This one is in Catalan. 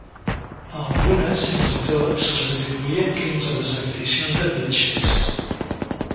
A algunes, fins i tot, se'ls atribuïen crims o desaparicions de viatgers.